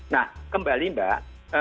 nah kembali mbak